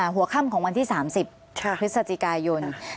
หัวคร่ำของวันที่๓๐พฤศจิกายนนะครับใช่